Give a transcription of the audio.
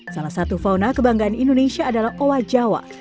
salah satu fauna kebanggaan indonesia adalah owa jawa